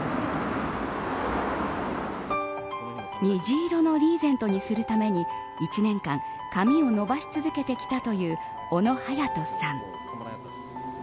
虹色のリーゼントにするために１年間、髪を伸ばし続けてきたという小野駿斗さん。